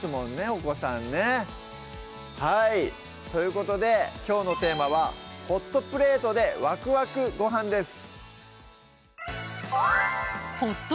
お子さんねはいということできょうのテーマは「ホットプレートでワクワクご飯」です